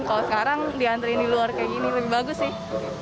kalau sekarang diantri di luar kayak gini lebih bagus sih